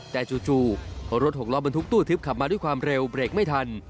แต่จู่รถหกล้อบรรทุกตู้ทึบขับมาด้วยความเร็วเบรกไม่ทัน